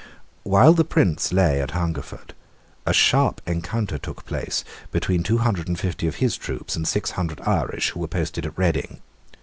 While the Prince lay at Hungerford a sharp encounter took place between two hundred and fifty of his troops and six hundred Irish, who were posted at Reading.